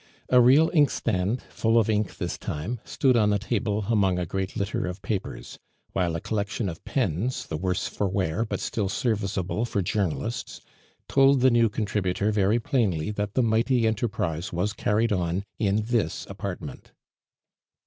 A real inkstand, full of ink this time, stood on the table among a great litter of papers; while a collection of pens, the worse for wear, but still serviceable for journalists, told the new contributor very plainly that the mighty enterprise was carried on in this apartment.